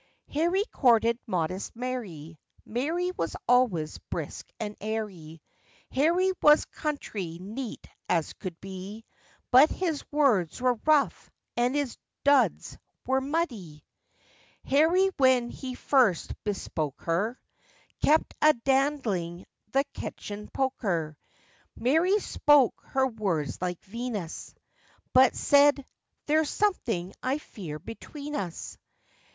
] HARRY courted modest Mary, Mary was always brisk and airy; Harry was country neat as could be, But his words were rough, and his duds were muddy. Harry when he first bespoke her, [Kept a dandling the kitchen poker;] Mary spoke her words like Venus, But said, 'There's something I fear between us.